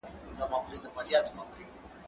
زه به نان خوړلی وي